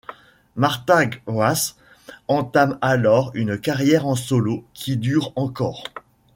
Martha Wash entame alors une carrière en solo qui dure encore.